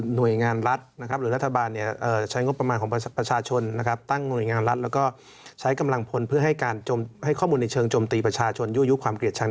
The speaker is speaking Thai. หน่วยงานรัฐนะครับหรือรัฐบาลใช้งบประมาณของประชาชนนะครับตั้งหน่วยงานรัฐแล้วก็ใช้กำลังพลเพื่อให้การให้ข้อมูลในเชิงจมตีประชาชนยั่วยุความเกลียดชัง